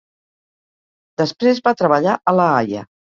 Després va treballar a La Haia.